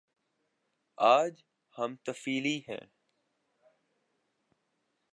آج ہم طفیلی ہیں۔